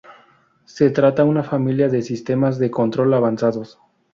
Se trata una familia de sistemas de control avanzados.